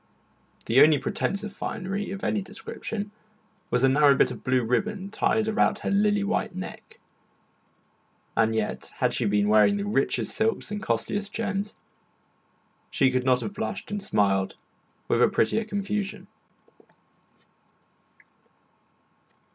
The only pretence of finery of any description was a narrow bit of blue ribbon tied about her lily white neck. And yet, had she been wearing richest silks and costliest gems, she could not have blushed and smiled with a prettier confusion.